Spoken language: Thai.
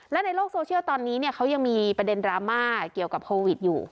และในโลกโซเชียลตอนนี้เขายังมีประเด็นดราม่าเกี่ยวกับโควิดอยู่